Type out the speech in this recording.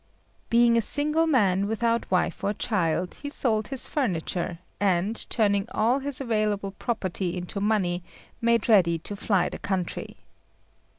Being a single man, without wife or child, he sold his furniture, and, turning all his available property into money, made ready to fly the country.